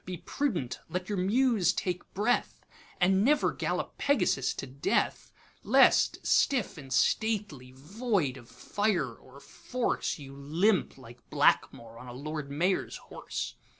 be prudent, let your Muse take breath, And never gallop Pegasus to death; Lest stiff and stately, void of fire or force, You limp, like Blackmore, on a lord mayor's horse.